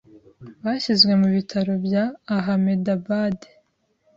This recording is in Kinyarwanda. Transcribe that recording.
bashyizwe mu bitaro bya Ahmedabad